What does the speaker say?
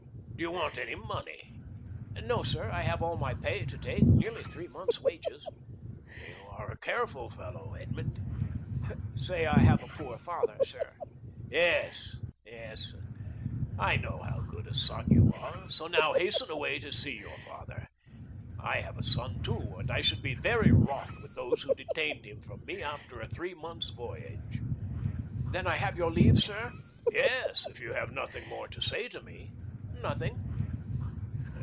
Do you want any money?" "No, sir; I have all my pay to take—nearly three months' wages." "You are a careful fellow, Edmond." "Say I have a poor father, sir." "Yes, yes, I know how good a son you are, so now hasten away to see your father. I have a son too, and I should be very wroth with those who detained him from me after a three months' voyage." "Then I have your leave, sir?" "Yes, if you have nothing more to say to me." "Nothing."